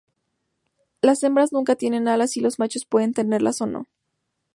Las hembras nunca tienen alas, y los machos pueden tenerlas o no.